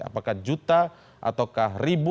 apakah juta ataukah ribu